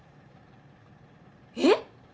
えっ！？